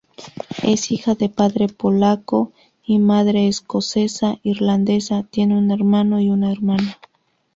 Es hija de padre polaco y madre escocesa-irlandesa, tiene un hermano y una hermana.